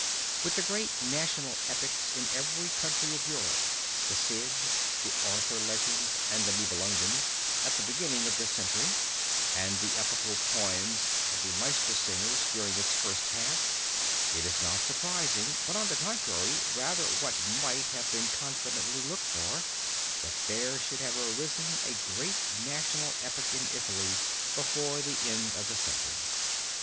With the great national epics in every country of Europe the Cid, the Arthur Legends, and the Nibelungen, at the beginning of this century, and the epical poems of the Meistersingers during its first half, it is not surprising, but on the contrary rather what might have been confidently looked for, that there should have arisen a great national epic in Italy before the end of the century.